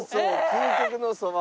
究極のそば」